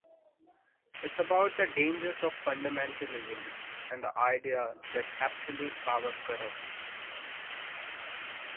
It's about the dangers of fundamentalism and the idea that absolute power corrupts.